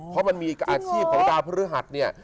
เพราะมันมีอาชีพของดาวพฤหัสเนี่ย